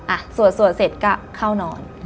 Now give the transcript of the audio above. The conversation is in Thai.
อ่ะสวดเสร็จก็เข้านอน